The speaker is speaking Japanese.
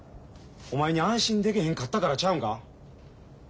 お前に安心できへんかったからちゃうんか？